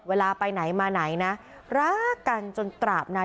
เขาก็ไม่เคยเจอกันค่ะ